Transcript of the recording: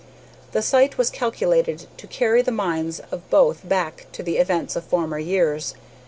The sight was calculated to carry the minds of both back to the events of former years.